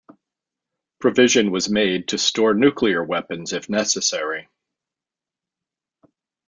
Provision was made to store nuclear weapons if necessary.